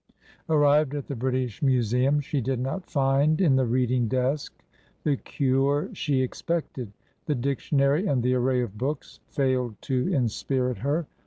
Ar rived at the British Museum, she did not find in the reading desk the cure she expected ; the dictionary and the array of books failed to inspirit her.